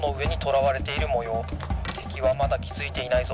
てきはまだきづいていないぞ。